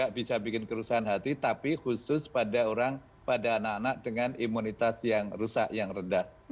tidak bisa bikin kerusahan hati tapi khusus pada orang pada anak anak dengan imunitas yang rusak yang rendah